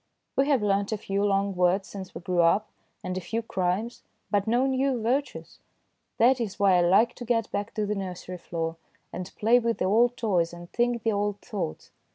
We have learnt a few long words since we grew up, and a few crimes, but no new virtues. That is why I like to get back to the nursery floor, and play with the old toys and think the old thoughts.